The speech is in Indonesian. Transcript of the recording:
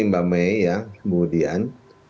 mbak may ya kemudian